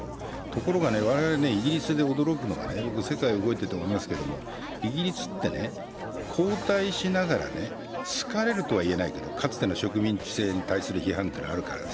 ところが我々、イギリスで驚くのはね、世界は動いていると思いますけどイギリスって、後退しながら疲れるとは言えないけどかつての植民地制に対する批判というのがあるから。